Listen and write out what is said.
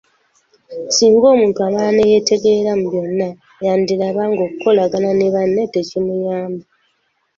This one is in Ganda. Singa omuntu amala ne yeetengerera mu byonna, yandiraba ng'okukolagana ne banne tekimuyamba.